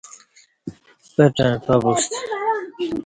پٹݩع پَہ بوستہ